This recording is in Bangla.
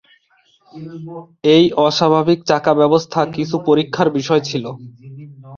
এই অস্বাভাবিক চাকা ব্যবস্থা কিছু পরীক্ষার বিষয় ছিল।